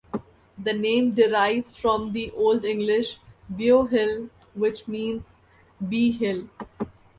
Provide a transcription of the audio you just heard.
The name derives from the Old English 'beo-hyll', which means 'bee hill'.